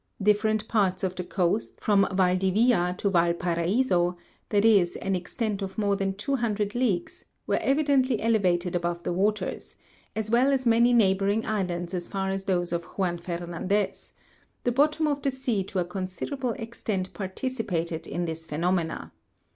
Different parts of the coast, from Valdivia to Valparaiso, that is, an extent of more than two hundred leagues, were evidently elevated above the waters, as well as many neighbouring islands as far as those of Juan Fernandez ; the bot tom of the sea to a considerable extent participated in this phe nomena.